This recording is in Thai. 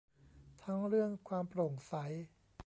ทั้งเรื่องความโปร่งใส